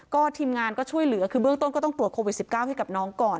ก็ทีมงานก็ช่วยเหลือคือเบื้องต้นก็ต้องตรวจโควิด๑๙ให้กับน้องก่อน